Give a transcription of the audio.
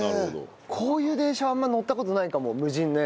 こういう電車はあんまり乗った事ないかも無人のやつは。